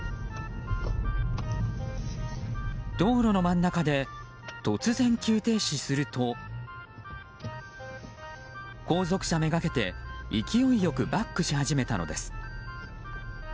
道路の真ん中で突然急停止すると後続車めがけて勢いよくバックし始めたのです。